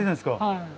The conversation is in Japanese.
はい。